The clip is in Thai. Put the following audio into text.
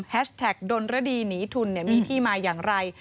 แท็กดนรดีหนีทุนมีที่มาอย่างไร